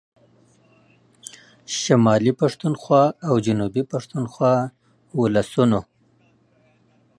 شمالي پښتونخوا او جنوبي پښتونخوا ولسونو